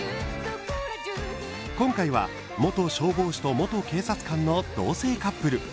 今回は、元消防士と元警察官の同性カップル。